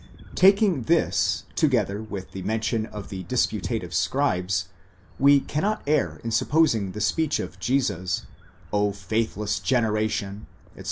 Taking this together with the mention of the disputative scribes, we cannot err in supposing the speech of Jesus, O faithless generation, etc.